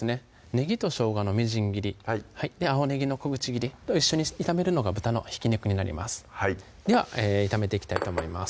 ねぎとしょうがのみじん切り青ねぎの小口切りと一緒に炒めるのが豚のひき肉になりますでは炒めていきたいと思います